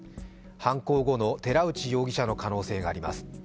犯行後の寺内容疑者の可能性があります。